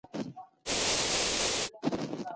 د دلارام ولسوالي د خپل موقعیت له مخې په تاریخ کي پاتې ده